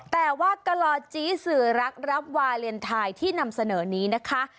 แต่ว่ากะลอจี้สื่อรักรับวาเลนไทยที่นำเสนอนี้นะคะ